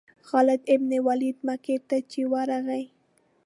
خالد بن ولید مکې ته چې ورغی.